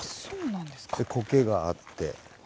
でコケがあって。